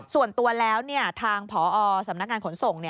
ส่วนตัวแล้วทางพอสำนักงานขนส่ง